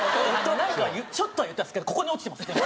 なんかちょっとは言ったんですけどここに落ちてます。